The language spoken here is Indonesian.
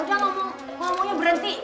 udah ngomongnya berhenti